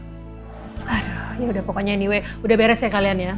aduh ini udah pokoknya anyway udah beres ya kalian ya